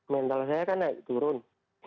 mental saya kan naik turun